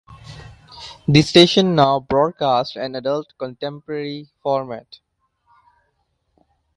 The station now broadcasts an adult contemporary format.